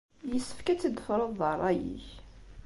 Yessefk ad tt-id-tefruḍ d ṛṛay-ik.